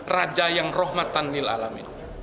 raja yang rohmatan lil'alamin